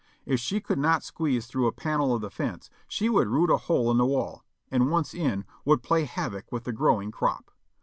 If she could not squeeze through a panel of the fence she would root a hole in the wall, and once in, would play havoc with the growing crop.